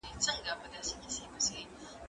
زه مخکي ليکنه کړې وه؟!